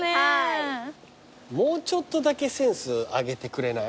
もうちょっとだけセンス上げてくれない？